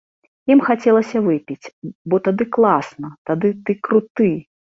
Ім хацелася выпіць, бо тады класна, тады ты круты.